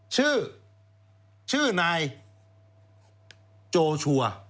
ชื่อชื่อนายโจชัวร์